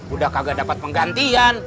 udah kagak dapet penggantian